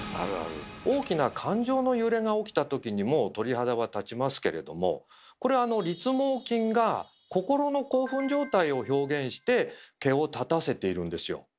大きな感情の揺れが起きた時にも鳥肌は立ちますけれどもこれあの立毛筋が心の興奮状態を表現して毛を立たせているんですよ。